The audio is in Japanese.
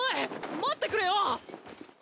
待ってくれよ！